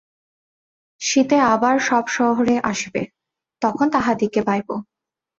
শীতে আবার সব শহরে আসিবে, তখন তাহাদিগকে পাইব।